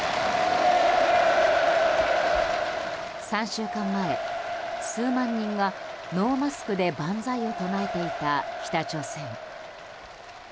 ３週間前、数万人がノーマスクで万歳を唱えていた北朝鮮。